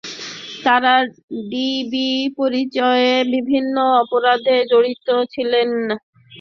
তাঁরা ডিবি পরিচয়ে বিভিন্ন অপরাধে জড়িত ছিলেন বলে র্যাবের কর্মকর্তাদের ধারণা।